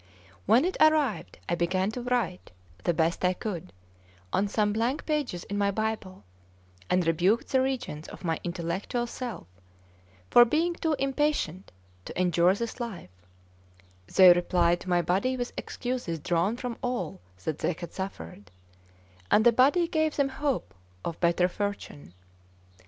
When it arrived, I began to write, the best I could, on some blank pages in my Bible, and rebuked the regents of my intellectual self for being too impatient to endure this life; they replied to my body with excuses drawn from all that they had suffered; and the body gave them hope of better fortune.